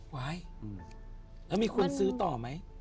วายแล้วมีคนซื้อต่อไหม